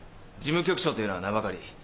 事務局長というのは名ばかり。